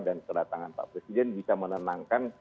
dan kedatangan pak presiden bisa menenangkan